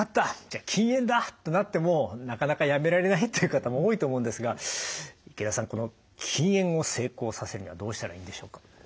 じゃあ禁煙だ！ってなってもなかなかやめられないという方も多いと思うんですが池田さん禁煙を成功させるにはどうしたらいいんでしょうか？